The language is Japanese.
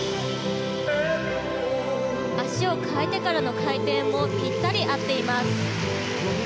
足を換えてからの回転もぴったり合っています。